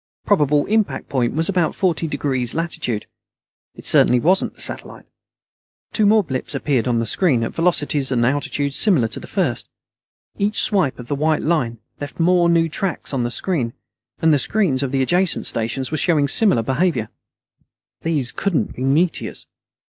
Probable impact point was about 40° Latitude. It certainly wasn't the satellite. Two more blips appeared on the screen, at velocities and altitudes similar to the first. Each swipe of the white line left more new tracks on the screen. And the screens for the adjacent stations were showing similar behavior. These couldn't be meteors.